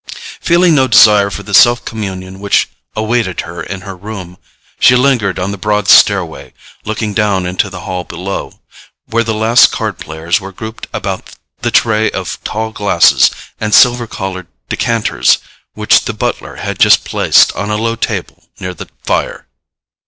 Feeling no desire for the self communion which awaited her in her room, she lingered on the broad stairway, looking down into the hall below, where the last card players were grouped about the tray of tall glasses and silver collared decanters which the butler had just placed on a low table near the fire.